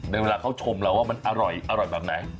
เวลาเขาชมเราว่ามันอร่อยแบบไหน